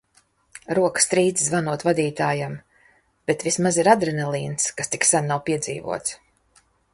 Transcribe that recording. Rokas trīc zvanot vadītājam, bet vismaz ir adrenalīns, kas tik sen nav piedzīvots.